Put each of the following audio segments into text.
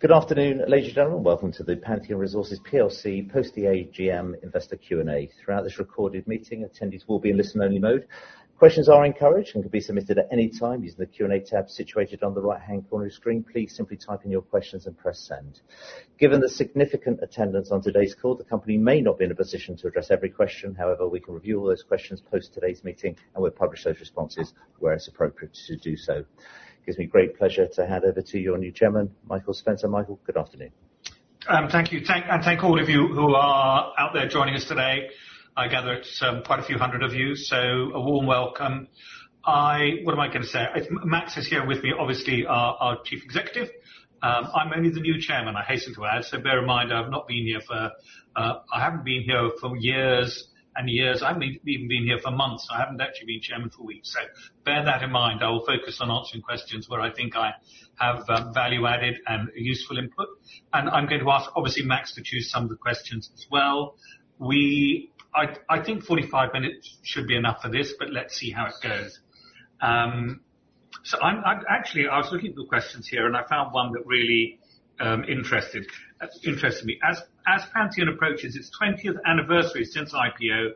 Good afternoon, ladies and gentlemen. Welcome to the Pantheon Resources plc post the AGM investor Q&A. Throughout this recorded meeting, attendees will be in listen-only mode. Questions are encouraged and can be submitted at any time using the Q&A tab situated on the right-hand corner of your screen. Please simply type in your questions and press send. Given the significant attendance on today's call, the company may not be in a position to address every question. However, we can review all those questions post today's meeting, and we'll publish those responses where it's appropriate to do so. It gives me great pleasure to hand over to your new Chairman, Michael Spencer. Michael, good afternoon. Thank you. Thank all of you who are out there joining us today. I gather it's quite a few hundred of you, so a warm welcome. Max is here with me, obviously, our Chief Executive. I'm only the new Chairman, I hasten to add, so bear in mind, I haven't been here for years and years. I haven't even been here for months. I haven't actually been chairman for weeks. So bear that in mind. I will focus on answering questions where I think I have value added and useful input. I'm going to ask, obviously, Max to choose some of the questions as well. I think 45 minutes should be enough for this, but let's see how it goes. So I'm... Actually, I was looking through questions here, and I found one that really interested me. As Pantheon approaches its 20th anniversary since IPO,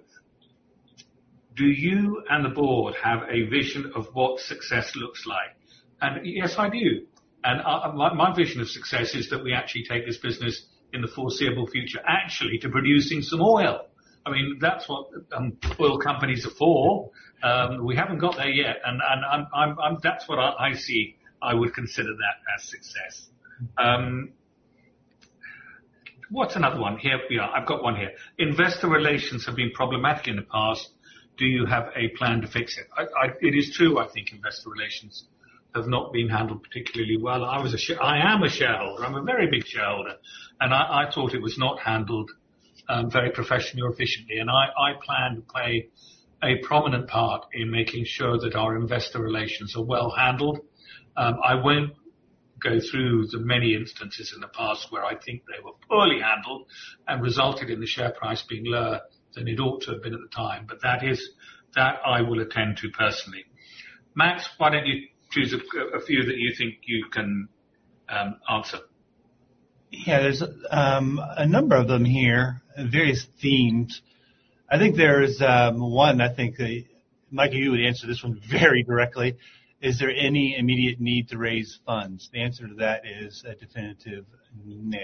do you and the board have a vision of what success looks like? Yes, I do. My vision of success is that we actually take this business in the foreseeable future actually to producing some oil. I mean, that's what oil companies are for. We haven't got there yet. That's what I see I would consider that as success. What's another one? Here, yeah, I've got one here. Investor relations have been problematic in the past. Do you have a plan to fix it? It is true, I think investor relations have not been handled particularly well. I am a shareholder. I'm a very big shareholder, and I thought it was not handled very professionally or efficiently. I plan to play a prominent part in making sure that our investor relations are well handled. I won't go through the many instances in the past where I think they were poorly handled and resulted in the share price being lower than it ought to have been at the time, but that I will attend to personally. Max, why don't you choose a few that you think you can answer? Yeah, there's a number of them here, various themes. I think there's one I think that, Michael, you would answer this one very directly. Is there any immediate need to raise funds? The answer to that is a definitive no.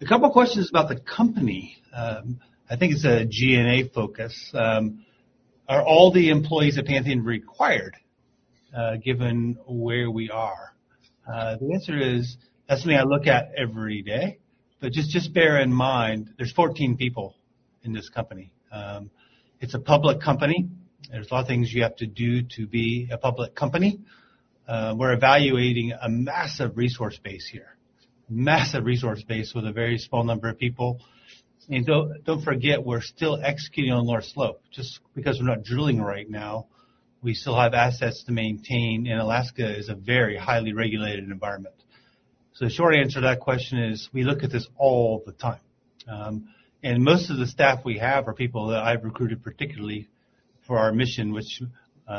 A couple of questions about the company. I think it's a G&A focus. Are all the employees at Pantheon required, given where we are? The answer is, that's something I look at every day. Just bear in mind, there's 14 people in this company. It's a public company. There's a lot of things you have to do to be a public company. We're evaluating a massive resource base here. Massive resource base with a very small number of people. Don't forget we're still executing on North Slope. Just because we're not drilling right now, we still have assets to maintain, and Alaska is a very highly regulated environment. The short answer to that question is, we look at this all the time. Most of the staff we have are people that I've recruited, particularly for our mission, which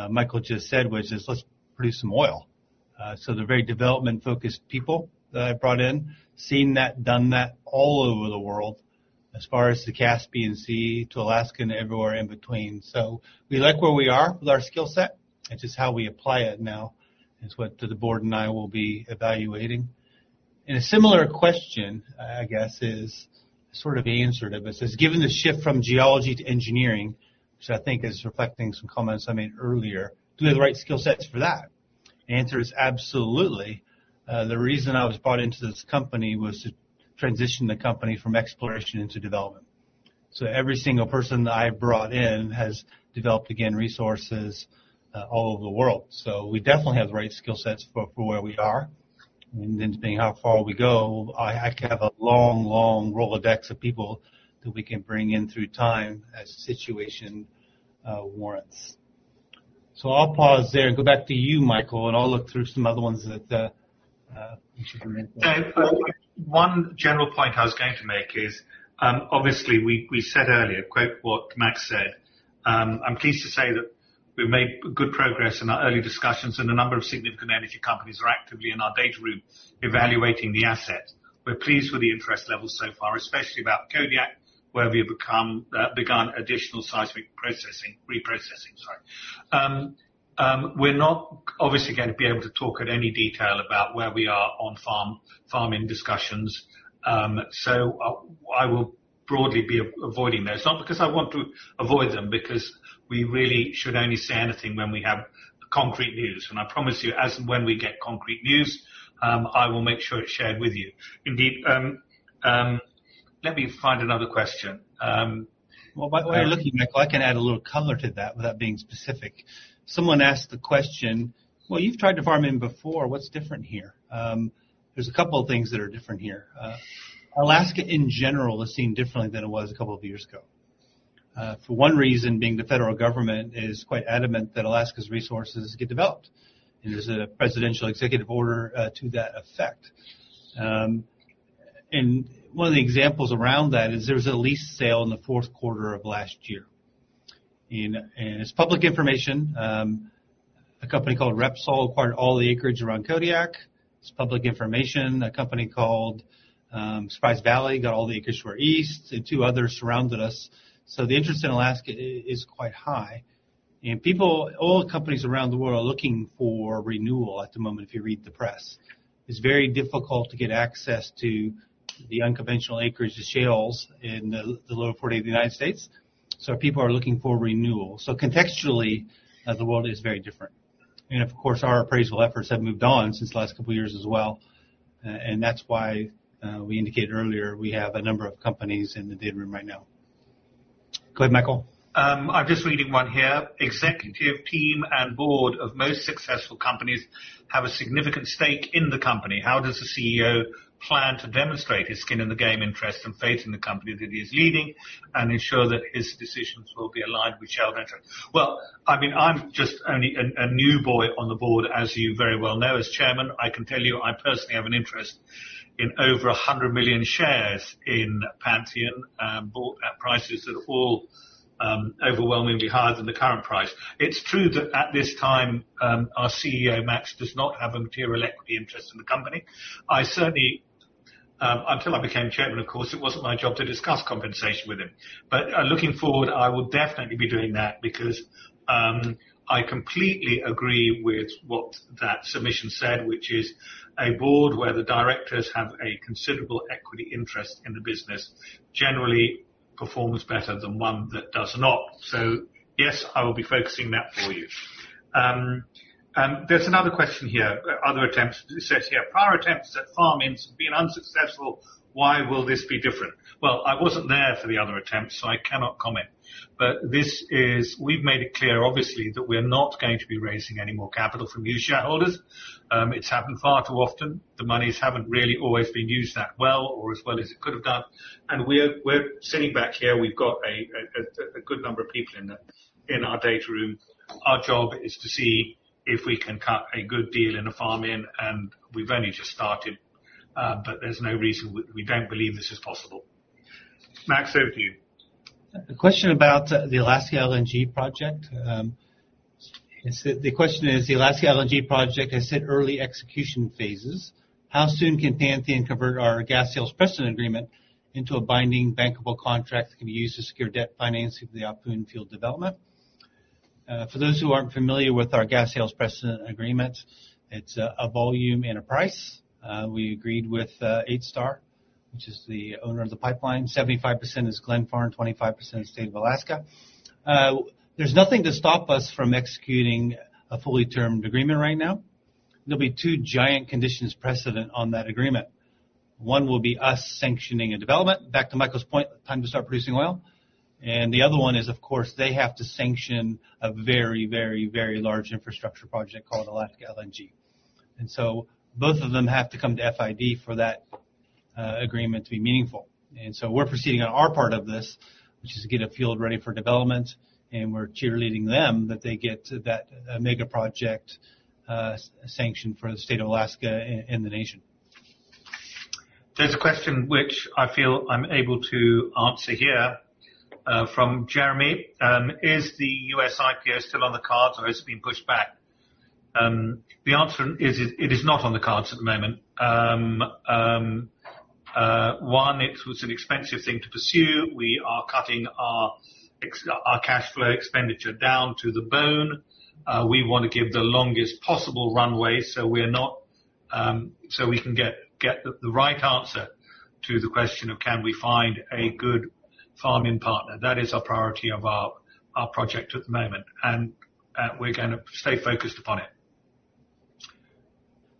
Michael just said, which is let's produce some oil. They're very development-focused people that I brought in. Seen that, done that all over the world as far as the Caspian Sea to Alaska and everywhere in between. We like where we are with our skill set, which is how we apply it now. It's what the board and I will be evaluating. In a similar question, I guess it's sort of answered, but it says, "Given the shift from geology to engineering," which I think is reflecting some comments I made earlier, "do we have the right skill sets for that?" The answer is absolutely. The reason I was brought into this company was to transition the company from exploration into development. Every single person that I brought in has developed, again, resources all over the world. We definitely have the right skill sets for where we are. Then depending how far we go, I have a long Rolodex of people that we can bring in over time as the situation warrants. I'll pause there and go back to you, Michael, and I'll look through some other ones that we should remember. One general point I was going to make is, obviously, we said earlier, quote, what Max said, I'm pleased to say that we've made good progress in our early discussions, and a number of significant energy companies are actively in our data room evaluating the asset. We're pleased with the interest levels so far, especially about Kodiak, where we have begun additional seismic reprocessing. We're not obviously gonna be able to talk at any detail about where we are on farm-in discussions. I will broadly be avoiding those. Not because I want to avoid them, because we really should only say anything when we have concrete news. I promise you, as and when we get concrete news, I will make sure it's shared with you. Indeed, let me find another question. Well, by the way you're looking, Michael, I can add a little color to that without being specific. Someone asked the question, "Well, you've tried to farm in before. What's different here?" There's a couple of things that are different here. Alaska in general is seen differently than it was a couple of years ago. For one reason being the federal government is quite adamant that Alaska's resources get developed. And there's a presidential executive order to that effect. And one of the examples around that is there was a lease sale in the fourth quarter of last year and it's public information, a company called Repsol acquired all the acreage around Kodiak. It's public information. A company called Surprise Valley got all the acreage from our east, and two others surrounded us. So the interest in Alaska is quite high. And people... All companies around the world are looking for renewal at the moment, if you read the press. It's very difficult to get access to the unconventional acreage, the shales in the lower 48 of the United States. People are looking for renewal. Contextually, the world is very different. Of course, our appraisal efforts have moved on since the last couple of years as well. That's why we indicated earlier, we have a number of companies in the data room right now. Go ahead, Michael. I'm just reading one here. Executive team and board of most successful companies have a significant stake in the company. How does the CEO plan to demonstrate his skin in the game interest and faith in the company that he is leading and ensure that his decisions will be aligned with shareholder interest? Well, I mean, I'm just only a new boy on the board, as you very well know, as chairman. I can tell you, I personally have an interest in over 100 million shares in Pantheon, bought at prices that are all, overwhelmingly higher than the current price. It's true that at this time, our CEO, Max, does not have a material equity interest in the company. I certainly, until I became chairman, of course, it wasn't my job to discuss compensation with him. Looking forward, I will definitely be doing that because I completely agree with what that submission said, which is a board where the directors have a considerable equity interest in the business generally performs better than one that does not. Yes, I will be focusing that for you. There's another question here. Other attempts. It says here, prior attempts at farm-ins have been unsuccessful. Why will this be different? Well, I wasn't there for the other attempts, so I cannot comment. This is. We've made it clear, obviously, that we are not going to be raising any more capital from you shareholders. It's happened far too often. The monies haven't really always been used that well or as well as it could have done. We're sitting back here. We've got a good number of people in our data room. Our job is to see if we can cut a good deal in a farm-in, and we've only just started. There's no reason we don't believe this is possible. Max, over to you. A question about the Alaska LNG Project. The question is the Alaska LNG Project has hit early execution phases. How soon can Pantheon convert our Gas Sales Precedent Agreement into a binding bankable contract that can be used to secure debt financing for the Ahpun field development? For those who aren't familiar with our Gas Sales Precedent Agreement, it's a volume and a price. We agreed with 8 Star, which is the owner of the pipeline. 75% is Glenfarne, 25% is State of Alaska. There's nothing to stop us from executing a fully termed agreement right now. There'll be two key conditions precedent on that agreement. One will be us sanctioning a development. Back to Michael's point, time to start producing oil. The other one is, of course, they have to sanction a very large infrastructure project called Alaska LNG. Both of them have to come to FID for that agreement to be meaningful. We're proceeding on our part of this, which is to get a field ready for development, and we're cheerleading them that they get that mega project sanctioned for the State of Alaska and the nation. There's a question which I feel I'm able to answer here, from Jeremy E. Is the U.S. IPO still on the cards or has it been pushed back? The answer is it is not on the cards at the moment. It was an expensive thing to pursue. We are cutting our cash flow expenditure down to the bone. We wanna give the longest possible runway, so we can get the right answer to the question of can we find a good farm-in partner. That is our priority of our project at the moment, and we're gonna stay focused upon it.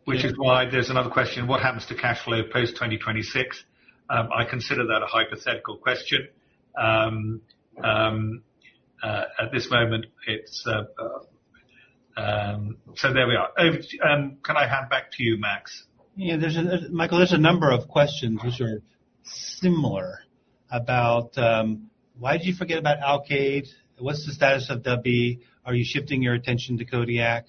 Which is why there's another question, what happens to cash flow post 2026? I consider that a hypothetical question. At this moment, it's There we are. Over to, Can I hand back to you, Max? Michael, there's a number of questions which are similar about why did you forget about Alkaid? What's the status of Talitha? Are you shifting your attention to Kodiak?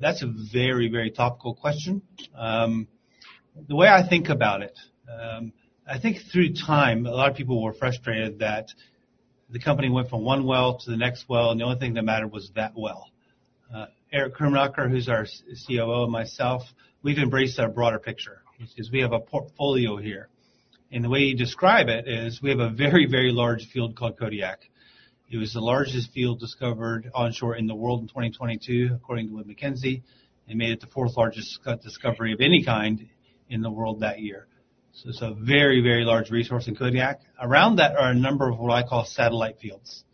That's a very, very topical question. The way I think about it, I think through time, a lot of people were frustrated that the company went from one well to the next well, and the only thing that mattered was that well. Erich Krumanocker, who's our COO, and myself, we've embraced a broader picture 'cause we have a portfolio here. The way you describe it is we have a very, very large field called Kodiak. It was the largest field discovered onshore in the world in 2022, according to Wood Mackenzie, and made it the fourth largest discovery of any kind in the world that year. It's a very, very large resource in Kodiak. Around that are a number of what I call satellite fields.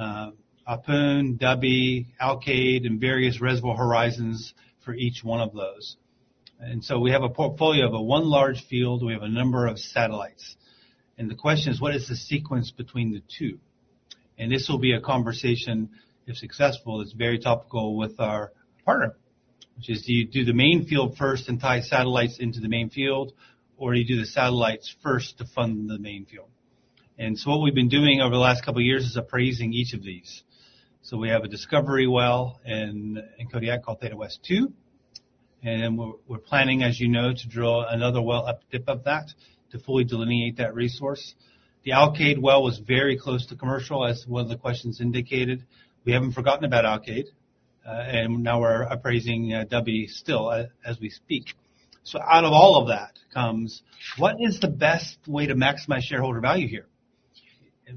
Ahpun, Talitha, Alkaid, and various reservoir horizons for each one of those. We have a portfolio of a one large field. We have a number of satellites. The question is what is the sequence between the two? This will be a conversation, if successful, it's very topical with our partner, which is, do you do the main field first and tie satellites into the main field, or you do the satellites first to fund the main field? What we've been doing over the last couple of years is appraising each of these. We have a discovery well in Kodiak called Theta West-2. We're planning, as you know, to drill another well up dip of that to fully delineate that resource. The Alkaid well was very close to commercial, as one of the questions indicated. We haven't forgotten about Alkaid. Now we're appraising Ahpun still as we speak. Out of all of that comes what is the best way to maximize shareholder value here?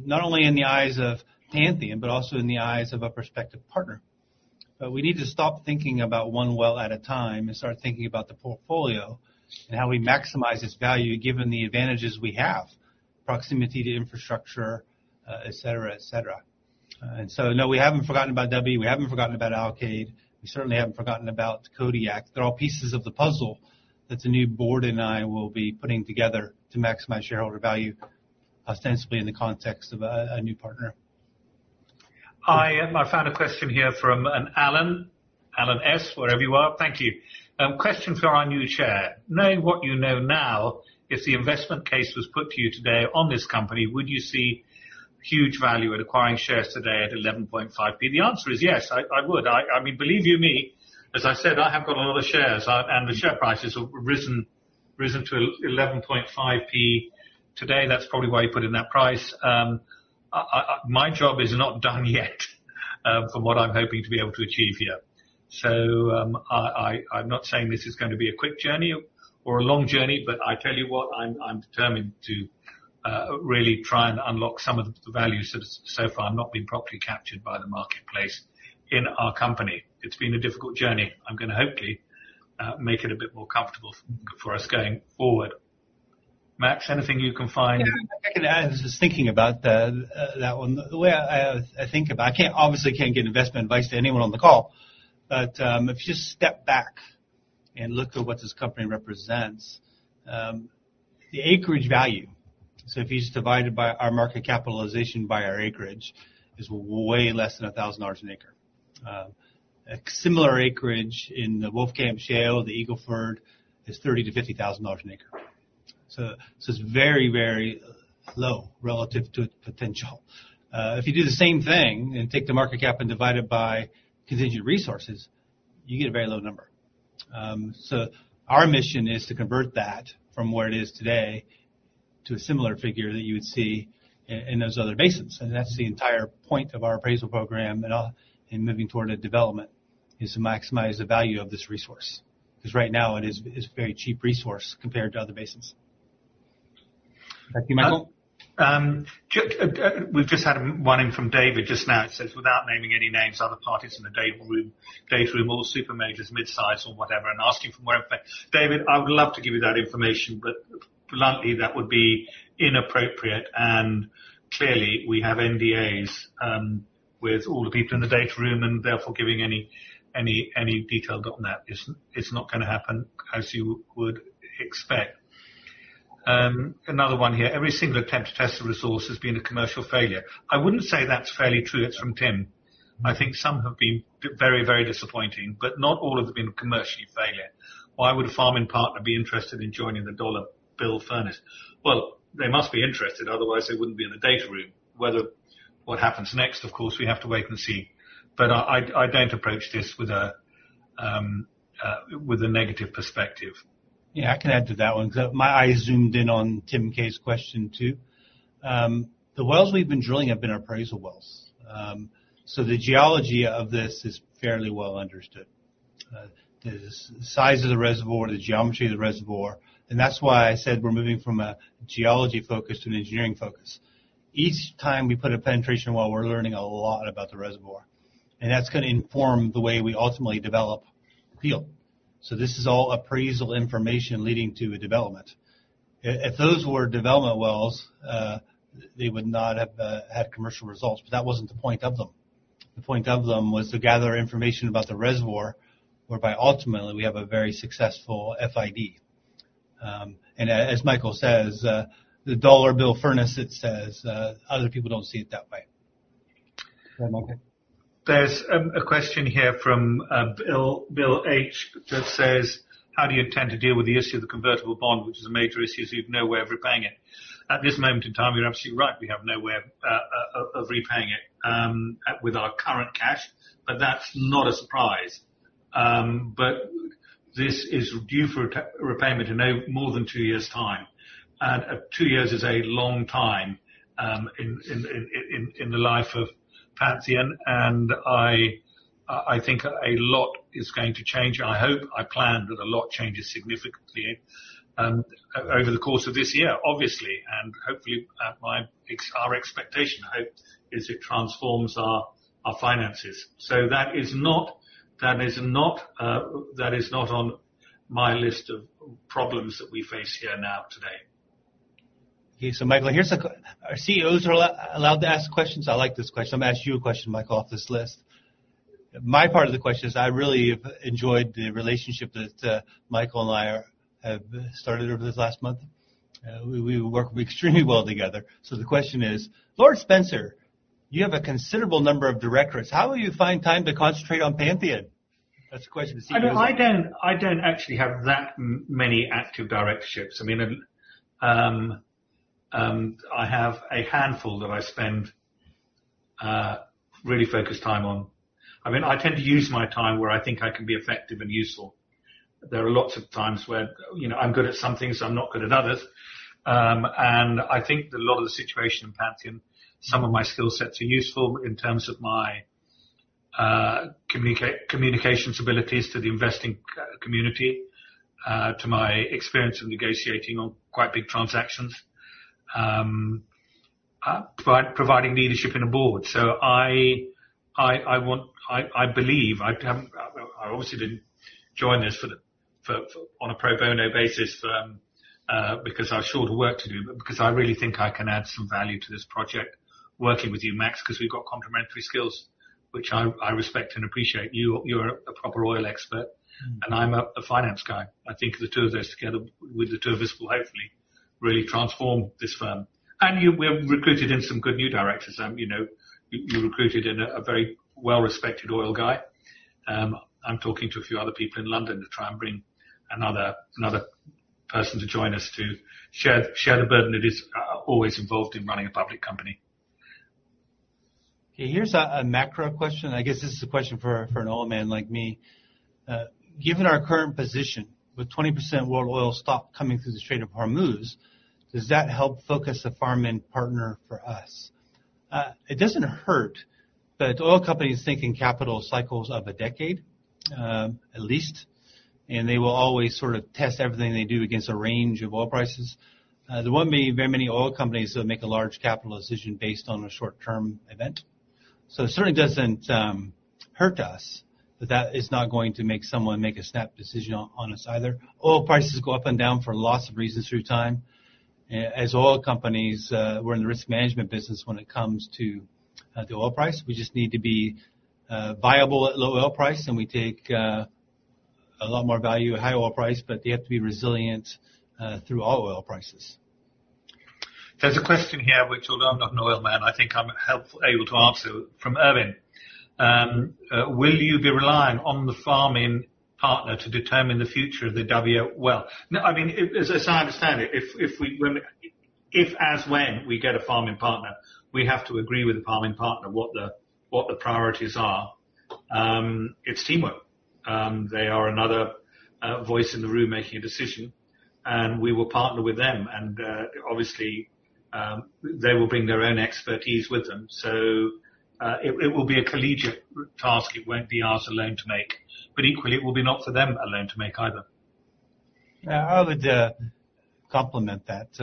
Not only in the eyes of Pantheon, but also in the eyes of a prospective partner. We need to stop thinking about one well at a time and start thinking about the portfolio and how we maximize its value, given the advantages we have, proximity to infrastructure, et cetera, et cetera. No, we haven't forgotten about Ahpun. We haven't forgotten about Alkaid. We certainly haven't forgotten about Kodiak. They're all pieces of the puzzle that the new board and I will be putting together to maximize shareholder value, ostensibly in the context of a new partner. I found a question here from an Allen. Allen S, wherever you are. Thank you. Question for our new chair: Knowing what you know now, if the investment case was put to you today on this company, would you see huge value in acquiring shares today at 11.5p? The answer is yes. I would. I mean, believe you me, as I said, I have got a lot of shares. The share prices have risen to 11.5p today. That's probably why you put in that price. My job is not done yet, from what I'm hoping to be able to achieve here. I'm not saying this is gonna be a quick journey or a long journey, but I tell you what, I'm determined to really try and unlock some of the values that have so far not been properly captured by the marketplace in our company. It's been a difficult journey. I'm gonna hopefully make it a bit more comfortable for us going forward. Max, anything you can find? I can add. Just thinking about that one. The way I think about it, I obviously can't give investment advice to anyone on the call. If you step back and look at what this company represents, the acreage value. If you just divide our market capitalization by our acreage, it is way less than $1,000 an acre. A similar acreage in the Wolfcamp Shale, the Eagle Ford, is $30,000-$50,000 an acre. It is very low relative to its potential. If you do the same thing and take the market cap and divide it by contingent resources, you get a very low number. Our mission is to convert that from where it is today to a similar figure that you would see in those other basins. That's the entire point of our appraisal program and moving toward a development is to maximize the value of this resource. 'Cause right now it is a very cheap resource compared to other basins. Back to you, Michael. We've just had one in from David just now. It says, "Without naming any names, other parties in the data room go through all super majors, midsize or whatever, and asking from where it affects." David, I would love to give you that information, but bluntly, that would be inappropriate. Clearly, we have NDAs with all the people in the data room, and therefore giving any detail on that is not gonna happen as you would expect. Another one here: Every single attempt to test the resource has been a commercial failure. I wouldn't say that's fairly true. It's from Tim. I think some have been very disappointing, but not all of them been a commercial failure. Why would a farming partner be interested in joining the dollar bill furnace? Well, they must be interested, otherwise they wouldn't be in the data room. Whatever happens next, of course, we have to wait and see. I don't approach this with a negative perspective. Yeah, I can add to that one. My eyes zoomed in on Tim K's question too. The wells we've been drilling have been appraisal wells. The geology of this is fairly well understood. The size of the reservoir, the geometry of the reservoir, and that's why I said we're moving from a geology focus to an engineering focus. Each time we put a penetration well, we're learning a lot about the reservoir. That's gonna inform the way we ultimately develop the field. This is all appraisal information leading to a development. If those were development wells, they would not have had commercial results, but that wasn't the point of them. The point of them was to gather information about the reservoir, whereby ultimately we have a very successful FID. As Michael says, the dollar bill furnace, it says, other people don't see it that way. Go on, Michael. There's a question here from Bill H that says, "How do you intend to deal with the issue of the convertible bond, which is a major issue, so you've no way of repaying it?" At this moment in time, you're absolutely right. We have no way of repaying it with our current cash, but that's not a surprise. This is due for repayment in no more than two years' time. Two years is a long time in the life of Pantheon. I think a lot is going to change. I hope, I plan that a lot changes significantly over the course of this year, obviously. Hopefully, our expectation, I hope, is it transforms our finances. That is not on my list of problems that we face here now today. Okay. Michael, here's a question. Our CEOs are allowed to ask questions. I like this question. I'm gonna ask you a question, Michael, off this list. My part of the question is, I really have enjoyed the relationship that Michael and I have started over this last month. We work extremely well together. The question is: Lord Spencer, you have a considerable number of directors. How will you find time to concentrate on Pantheon? That's a question to CEOs. I don't actually have that many active directorships. I mean, I have a handful that I spend really focus time on. I mean, I tend to use my time where I think I can be effective and useful. There are lots of times where, you know, I'm good at some things, I'm not good at others. I think that a lot of the situation in Pantheon, some of my skill sets are useful in terms of my communications abilities to the investing community, to my experience in negotiating on quite big transactions, providing leadership in a board. I want. I believe I obviously didn't join this for the for on a pro bono basis firm because I've shorter work to do, but because I really think I can add some value to this project working with you, Max, 'cause we've got complementary skills, which I respect and appreciate. You're a proper oil expert- Mm. I'm a finance guy. I think the two of those together with the two of us will hopefully really transform this firm. We have recruited some good new directors. You know, you recruited a very well-respected oil guy. I'm talking to a few other people in London to try and bring another person to join us to share the burden that is always involved in running a public company. Okay, here's a macro question. I guess this is a question for an old man like me. Given our current position with 20% world oil stock coming through the Strait of Hormuz, does that help focus a farm-in partner for us? It doesn't hurt, but oil companies think in capital cycles of a decade, at least, and they will always sort of test everything they do against a range of oil prices. There won't be very many oil companies that make a large capital decision based on a short-term event. It certainly doesn't hurt us, but that is not going to make someone make a snap decision on us either. Oil prices go up and down for lots of reasons through time. As oil companies, we're in the risk management business when it comes to the oil price. We just need to be viable at low oil price, and we take a lot more value at high oil price, but you have to be resilient through all oil prices. There's a question here which, although I'm not an oil man, I think I'm helpful to answer from Erwin. Will you be relying on the farm-in partner to determine the future of the well? No, I mean, as I understand it, if and when we get a farm-in partner, we have to agree with the farm-in partner what the priorities are. It's teamwork. They are another voice in the room making a decision, and we will partner with them. Obviously, they will bring their own expertise with them. It will be a collegiate task. It won't be ours alone to make. Equally, it will be not for them alone to make either. Yeah. I would complement that.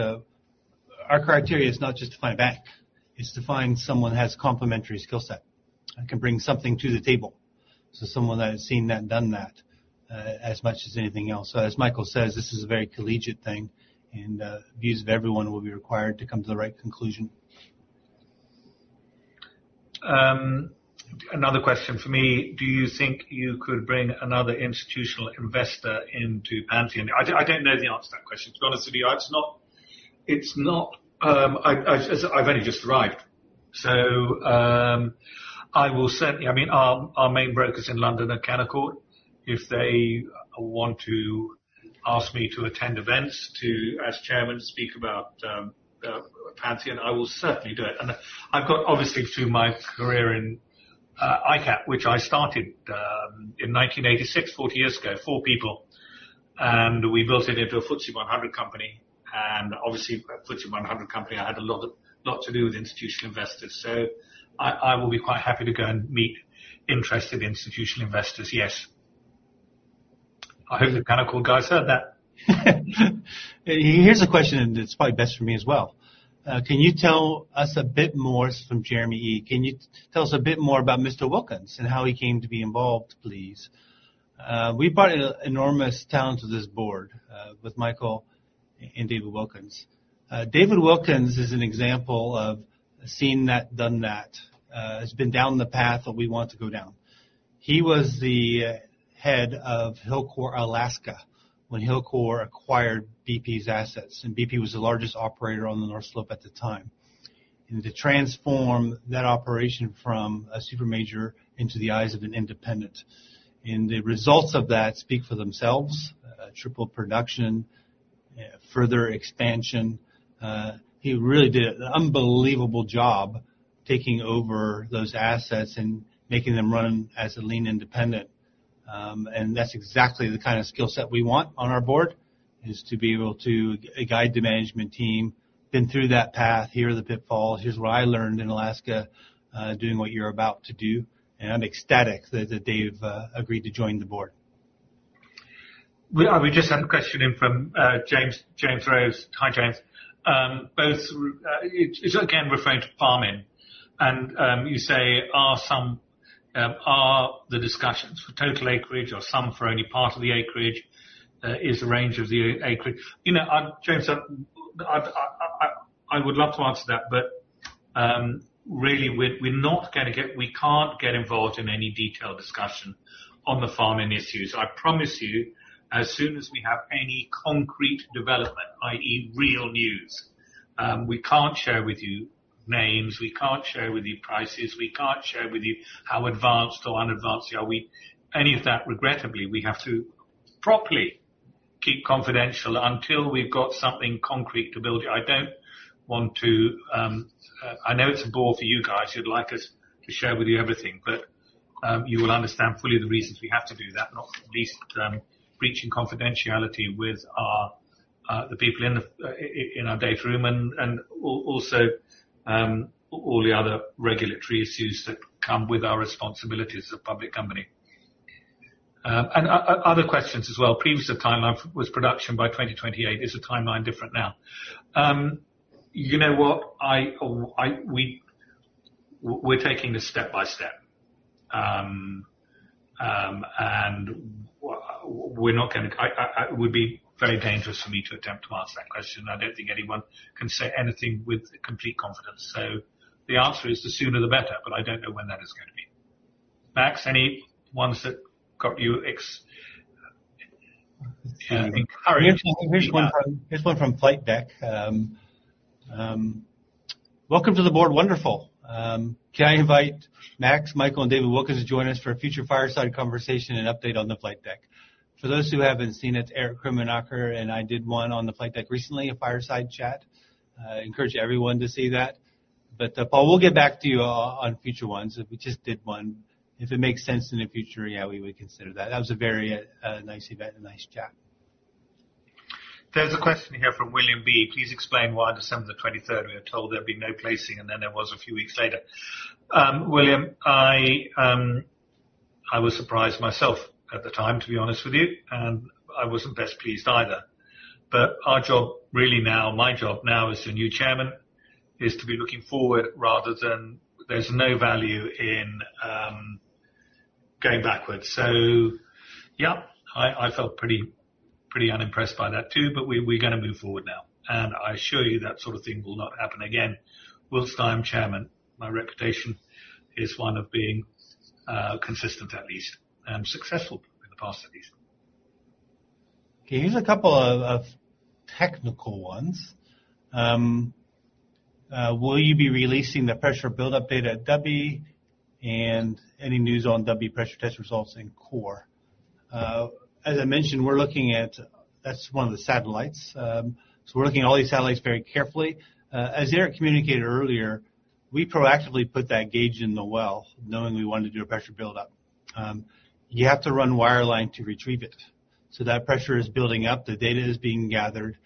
Our criteria is not just to find a bank. It's to find someone who has complementary skill set, that can bring something to the table. Someone that has seen that and done that, as much as anything else. As Michael says, this is a very collegial thing and views of everyone will be required to come to the right conclusion. Another question for me. Do you think you could bring another institutional investor into Pantheon? I don't know the answer to that question, to be honest with you. It's not. I've only just arrived. I will certainly. I mean, our main brokers in London are Canaccord. If they want to ask me to attend events to, as chairman, speak about Pantheon, I will certainly do it. I've got obviously through my career in ICAP, which I started in 1986, 40 years ago, four people, and we built it into a FTSE 100 company. Obviously, a FTSE 100 company, I had a lot to do with institutional investors. I will be quite happy to go and meet interested institutional investors, yes. I hope the Canaccord guys heard that. Here's a question that's probably best for me as well. This is from Jeremy E. Can you tell us a bit more about Mr. Wilkins and how he came to be involved, please? We brought an enormous talent to this board with Michael and David Wilkins. David Wilkins is an example of seen that, done that. He's been down the path that we want to go down. He was the head of Hilcorp Alaska when Hilcorp acquired BP's assets. BP was the largest operator on the North Slope at the time. To transform that operation from a super major into the eyes of an independent. The results of that speak for themselves. Triple production, further expansion. He really did an unbelievable job taking over those assets and making them run as a lean independent. That's exactly the kind of skill set we want on our board is to be able to guide the management team. Been through that path. Here are the pitfalls. Here's what I learned in Alaska, doing what you're about to do. I'm ecstatic that David agreed to join the board. We just had a question in from James Rose. Hi, James. Both, it's again referring to farm-in and, you say are some, are the discussions for total acreage or some for only part of the acreage, is the range of the acreage. You know, James, I would love to answer that, but really, we can't get involved in any detailed discussion on the farm-in issues. I promise you, as soon as we have any concrete development, i.e., real news, we can't share with you names. We can't share with you prices. We can't share with you how advanced or unadvanced are we. Any of that, regrettably, we have to properly keep confidential until we've got something concrete to build. I don't want to. I know it's a bore for you guys. You'd like us to share with you everything, but you will understand fully the reasons we have to do that, not least breaching confidentiality with the people in our data room and also all the other regulatory issues that come with our responsibilities as a public company. Other questions as well. Previous timeline was production by 2028. Is the timeline different now? You know what? We're taking this step by step. We're not gonna. I would be very dangerous for me to attempt to answer that question. I don't think anyone can say anything with complete confidence. The answer is the sooner the better, but I don't know when that is gonna be. Max, any ones that got you ex- Here's one from Flightdeck. Welcome to the board. Wonderful. Can I invite Max, Michael, and David Wilkins to join us for a future fireside conversation and update on the Flightdeck. For those who haven't seen it, Erich Krumanocker and I did one on the Flightdeck recently, a fireside chat. I encourage everyone to see that. Paul, we'll get back to you on future ones. We just did one. If it makes sense in the future, yeah, we would consider that. That was a very nice event, a nice chat. There's a question here from William B. Please explain why on December 23rd, we were told there'd be no placing, and then there was a few weeks later. William, I was surprised myself at the time, to be honest with you, and I wasn't best pleased either. Our job really now, my job now as the new Chairman is to be looking forward rather than there's no value in going backwards. Yeah, I felt pretty unimpressed by that too, but we're gonna move forward now. I assure you that sort of thing will not happen again whilst I'm Chairman. My reputation is one of being consistent, at least, and successful in the past, at least. Okay, here's a couple of technical ones. Will you be releasing the pressure build-up data at Dubby? Any news on Dubby pressure test results in core? As I mentioned, we're looking at that. That's one of the satellites. We're looking at all these satellites very carefully. As Eric communicated earlier, we proactively put that gauge in the well, knowing we wanted to do a pressure build-up. You have to run wireline to retrieve it. That pressure is building up. The data is being gathered.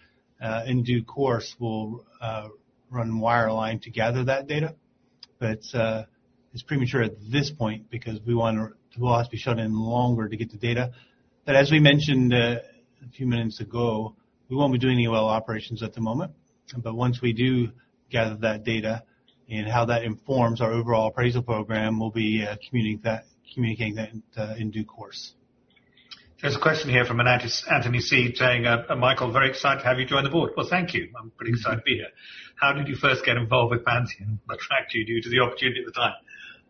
In due course, we'll run wireline to gather that data. It's premature at this point because the well has to be shut in longer to get the data. As we mentioned a few minutes ago, we won't be doing any well operations at the moment. Once we do gather that data and how that informs our overall appraisal program, we'll be communicating that in due course. There's a question here from an Anthony C saying, Michael, very excited to have you join the board. Well, thank you. I'm pretty excited to be here. How did you first get involved with Pantheon? What attracted you? Due to the opportunity at the time.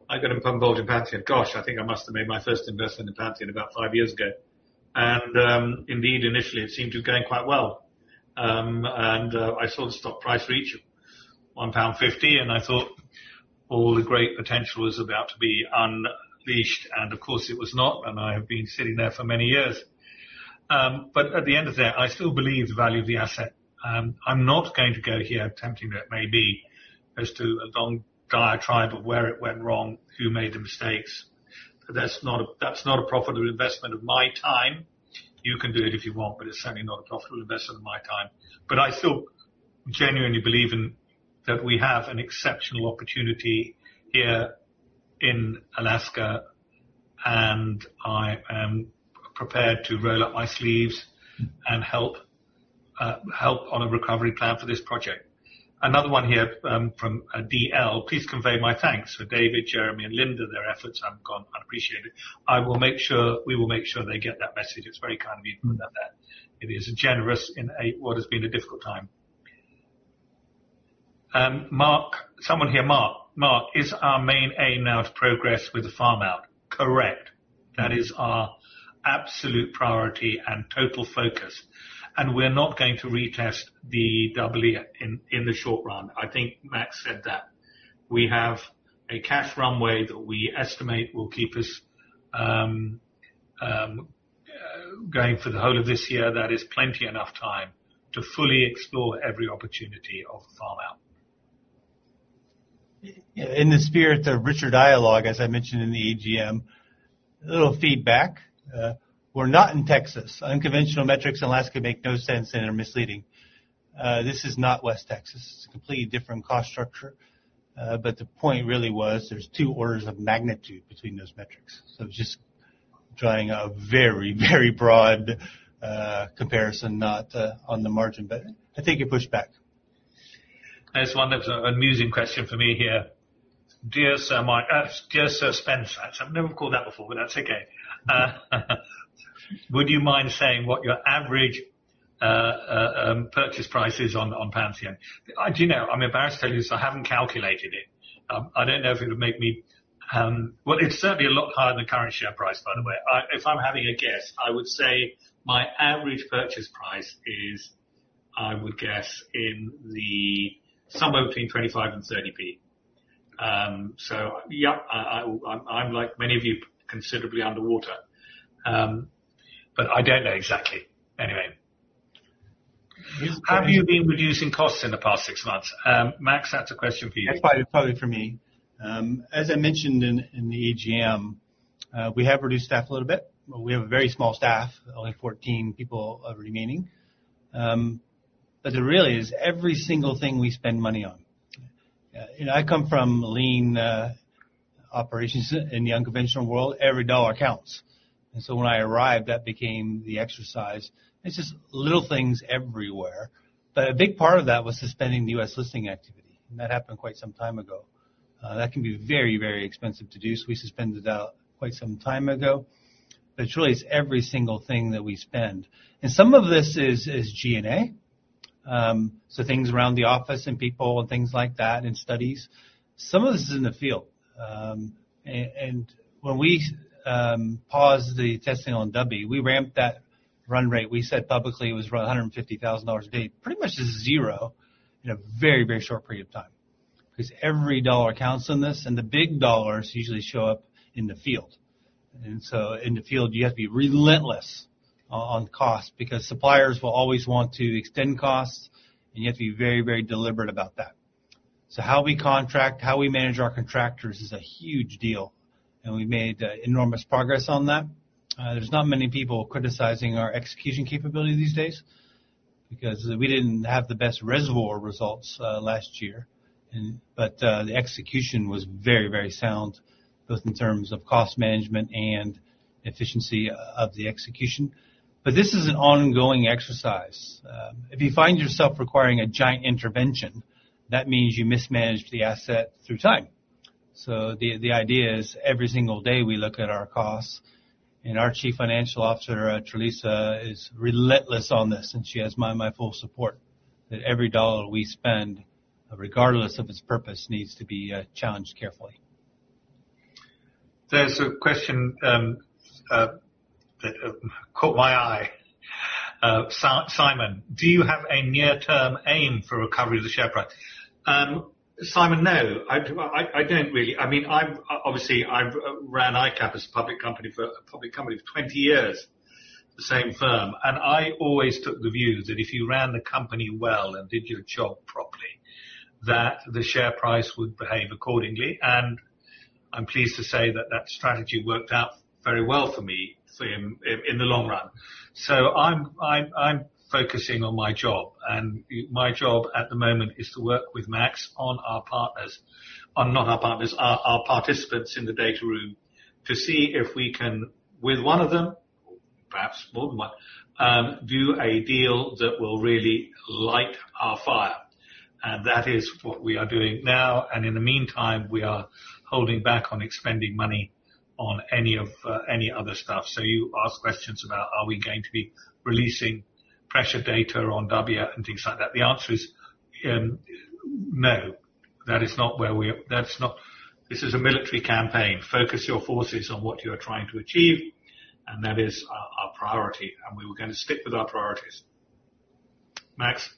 I got involved in Pantheon. Gosh, I think I must have made my first investment in Pantheon about five years ago. Indeed, initially, it seemed to be going quite well. I saw the stock price reach 1.50 pound, and I thought all the great potential was about to be unleashed. Of course, it was not. I have been sitting there for many years. But at the end of that, I still believe the value of the asset. I'm not going to go here, tempting though it may be as to a long diatribe of where it went wrong, who made the mistakes. That's not a profitable investment of my time. You can do it if you want, but it's certainly not a profitable investment of my time. I still genuinely believe in that we have an exceptional opportunity here in Alaska, and I am prepared to roll up my sleeves and help on a recovery plan for this project. Another one here from a DL. Please convey my thanks for David, Jeremy, and Linda. Their efforts haven't gone unappreciated. We will make sure they get that message. It's very kind of you to put that there. It is generous in a what has been a difficult time. Mark. Someone here, Mark. Mark, is our main aim now to progress with the farm out? Correct. That is our absolute priority and total focus. We're not going to retest the Dubby in the short run. I think Max said that. We have a cash runway that we estimate will keep us going for the whole of this year. That is plenty enough time to fully explore every opportunity of farm out. In the spirit of richer dialogue, as I mentioned in the AGM, a little feedback. We're not in Texas. Unconventional metrics in Alaska make no sense and are misleading. This is not West Texas. It's a completely different cost structure. The point really was there's two orders of magnitude between those metrics. Just drawing a very, very broad comparison, not on the margin, but I think it pushed back. There's one that's an amusing question for me here. Dear Sir Spencer. I've never been called that before, but that's okay. Would you mind saying what your average purchase price is on Pantheon? Do you know, I'm embarrassed to tell you this, I haven't calculated it. I don't know if it would make me. Well, it's certainly a lot higher than the current share price, by the way. If I'm having a guess, I would say my average purchase price is, I would guess somewhere between 25 and 30p. Yeah, I'm like many of you, considerably underwater. But I don't know exactly. Anyway. Yes. Have you been reducing costs in the past six months? Max, that's a question for you. That's probably for me. As I mentioned in the AGM, we have reduced staff a little bit. We have a very small staff, only 14 people are remaining. It really is every single thing we spend money on. You know, I come from lean operations. In the unconventional world, every dollar counts. When I arrived, that became the exercise. It's just little things everywhere. A big part of that was suspending the U.S. listing activity. That happened quite some time ago. That can be very, very expensive to do, so we suspended that quite some time ago. It's really is every single thing that we spend. Some of this is G&A. Things around the office and people and things like that, and studies. Some of this is in the field. When we paused the testing on Dubby, we ramped that run rate. We said publicly it was around $150,000 a day. Pretty much it's zero in a very, very short period of time. 'Cause every dollar counts on this, and the big dollars usually show up in the field. In the field, you have to be relentless on costs because suppliers will always want to extend costs, and you have to be very, very deliberate about that. How we contract, how we manage our contractors is a huge deal, and we made enormous progress on that. There's not many people criticizing our execution capability these days because we didn't have the best reservoir results last year. The execution was very, very sound, both in terms of cost management and efficiency of the execution. This is an ongoing exercise. If you find yourself requiring a giant intervention, that means you mismanaged the asset through time. The idea is every single day we look at our costs, and our Chief Financial Officer, Tralisa, is relentless on this, and she has my full support that every dollar we spend, regardless of its purpose, needs to be challenged carefully. There's a question that caught my eye. Simon. Do you have a near-term aim for recovery of the share price? Simon, no. I don't really. I mean, I'm obviously. I've ran ICAP as a public company for 20 years, the same firm. I always took the view that if you ran the company well and did your job properly, that the share price would behave accordingly. I'm pleased to say that that strategy worked out very well for me in the long run. I'm focusing on my job and my job at the moment is to work with Max on our partners. Not our partners, our participants in the data room to see if we can, with one of them, perhaps more than one, do a deal that will really light our fire. That is what we are doing now. In the meantime, we are holding back on expending money on any other stuff. You ask questions about are we going to be releasing pressure data on Dubby and things like that. The answer is no. This is a military campaign. Focus your forces on what you are trying to achieve, and that is our priority, and we're gonna stick with our priorities. Max,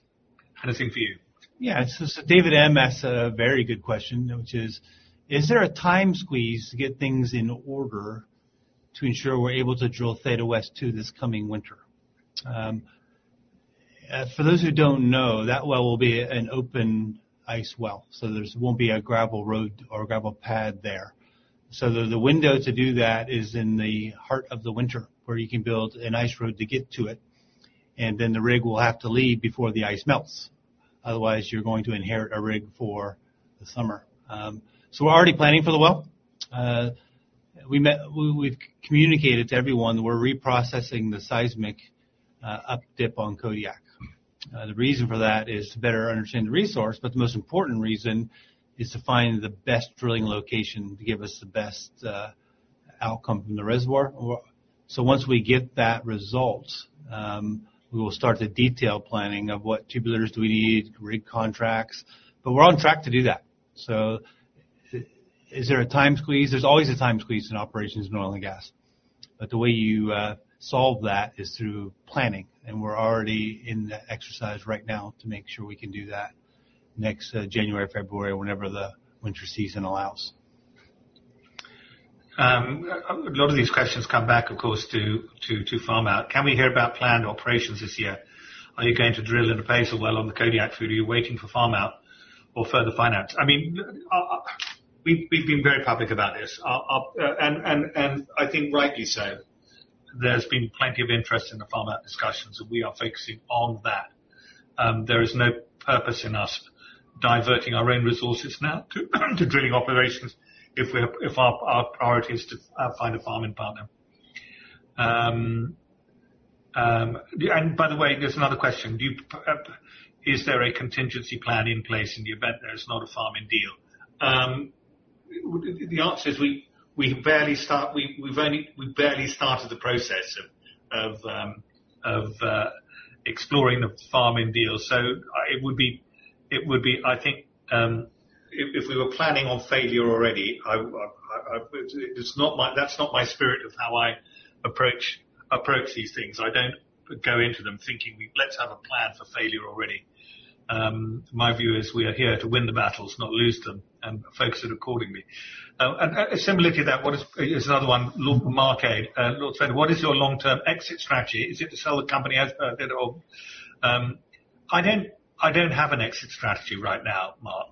anything for you? Yeah. David M. asked a very good question, which is: Is there a time squeeze to get things in order to ensure we're able to drill Talitha West 2 this coming winter? For those who don't know, that well will be an open ice well. There won't be a gravel road or gravel pad there. The window to do that is in the heart of the winter, where you can build an ice road to get to it, and then the rig will have to leave before the ice melts. Otherwise, you're going to inherit a rig for the summer. We're already planning for the well. We've communicated to everyone we're reprocessing the seismic up dip on Alkaid. The reason for that is to better understand the resource, but the most important reason is to find the best drilling location to give us the best outcome from the reservoir. Once we get that result, we will start the detailed planning of what tubulars we need, rig contracts. We're on track to do that. Is there a time squeeze? There's always a time squeeze in operations in oil and gas. The way you solve that is through planning, and we're already in that exercise right now to make sure we can do that next January, February, whenever the winter season allows. A lot of these questions come back, of course, to farm-out. Can we hear about planned operations this year? Are you going to drill an appraisal well on the Kodiak field? Are you waiting for farm-out or further finance? I mean, we've been very public about this. I think rightly so. There's been plenty of interest in the farm-out discussions, and we are focusing on that. There is no purpose in us diverting our own resources now to drilling operations if our priority is to find a farming partner. By the way, there's another question. Is there a contingency plan in place in the event there's not a farming deal? The answer is we barely start. We've only... We've barely started the process of exploring the farm-in deal. It would be, I think, if we were planning on failure already. That's not my spirit of how I approach these things. I don't go into them thinking let's have a plan for failure already. My view is we are here to win the battles, not lose them, and focus it accordingly. Similarly to that, here's another one. Mark A. Michael Spencer, what is your long-term exit strategy? Is it to sell the company as a bit of. I don't have an exit strategy right now, Mark.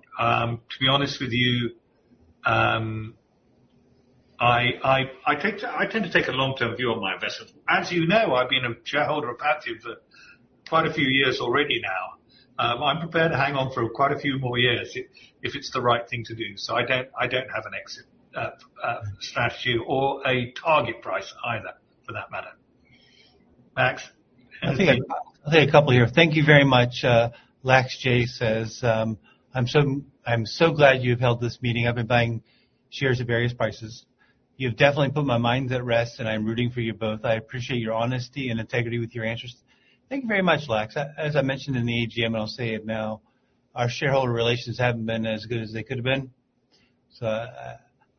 To be honest with you, I tend to take a long-term view on my investment. As you know, I've been a shareholder of Pantheon for quite a few years already now. I'm prepared to hang on for quite a few more years if it's the right thing to do. I don't have an exit strategy or a target price either, for that matter. Max? I think I have a couple here. Thank you very much. Lax J says, "I'm so glad you've held this meeting. I've been buying shares at various prices. You've definitely put my mind at rest, and I'm rooting for you both. I appreciate your honesty and integrity with your answers." Thank you very much, Lax. As I mentioned in the AGM, and I'll say it now, our shareholder relations haven't been as good as they could have been, so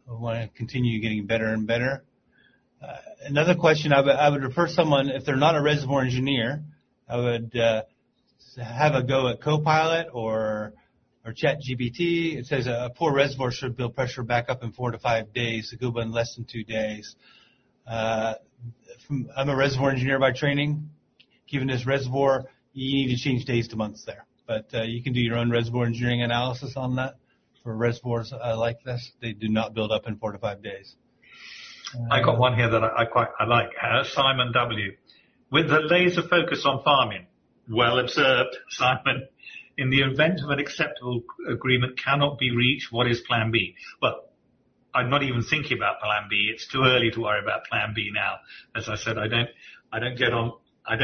we wanna continue getting better and better. Another question. I would refer someone, if they're not a reservoir engineer, to have a go at Copilot or ChatGPT. It says a poor reservoir should build up pressure in 4-5 days. A good reservoir in less than 2 days. I'm a reservoir engineer by training. Given this reservoir, you need to change days to months there. You can do your own reservoir engineering analysis on that. For reservoirs like this, they do not build up in 4-5 days. I got one here that I like. Simon W: "With the laser focus on farm-in," well observed, Simon. "In the event of an acceptable agreement cannot be reached, what is plan B?" Well, I'm not even thinking about plan B. It's too early to worry about plan B now. As I said, I don't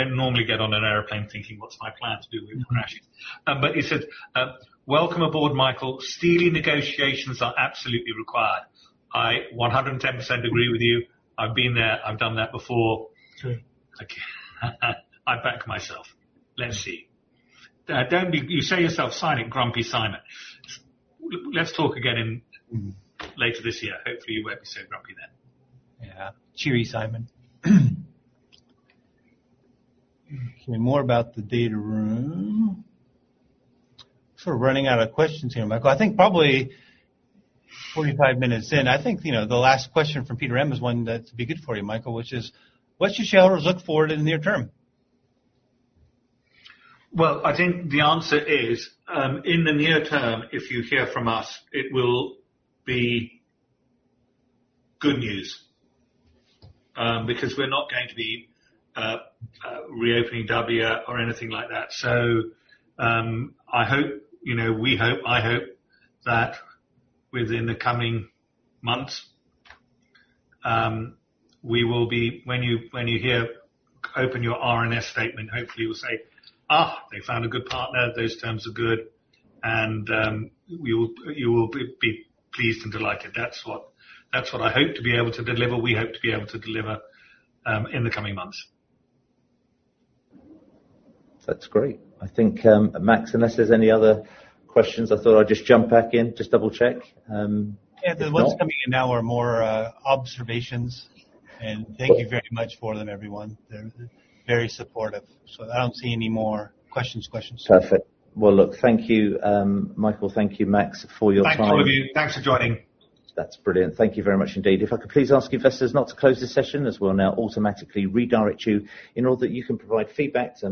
normally get on an airplane thinking, "What's my plan to do if we crash it?" but he said, "Welcome aboard, Michael. Steely negotiations are absolutely required." I 110% agree with you. I've been there. I've done that before. True. I back myself. Let's see. You say to yourself, saying grumpy Simon. Let's talk again later this year. Hopefully, you won't be so grumpy then. Yeah. Cheers, Simon. Okay, more about the data room. We're running out of questions here, Michael. I think probably 45 minutes in, I think, you know, the last question from Peter M is one that's pretty good for you, Michael, which is: What should shareholders look forward to in the near term? Well, I think the answer is, in the near term, if you hear from us, it will be good news, because we're not going to be reopening W or anything like that. I hope, you know, we hope, I hope that within the coming months, we will be when you hear open your RNS statement, hopefully you'll say, "Ah, they found a good partner. Those terms are good." You will be pleased and delighted. That's what I hope to be able to deliver. We hope to be able to deliver in the coming months. That's great. I think, Max, unless there's any other questions, I thought I'd just jump back in, just double-check. If not- Yeah, the ones coming in now are more observations, and thank you very much for them, everyone. They're very supportive. I don't see any more questions. Perfect. Well, look, thank you, Michael, thank you, Max, for your time. Thanks all of you. Thanks for joining. That's brilliant. Thank you very much indeed. If I could please ask investors not to close this session, as we'll now automatically redirect you in order that you can provide feedback to